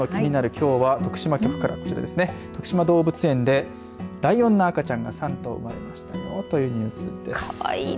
きょうは徳島局から、こちらですね。とくしま動物園でライオンの赤ちゃんが３頭生まれましたよというニュースです。